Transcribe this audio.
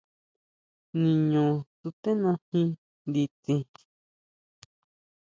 Niño suténa jin nditsin.